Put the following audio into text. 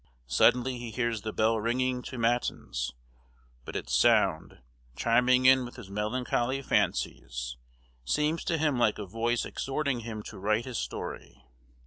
Suddenly he hears the bell ringing to matins, but its sound, chiming in with his melancholy fancies, seems to him like a voice exhorting him to write his story.